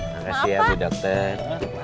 makasih ya bu dokter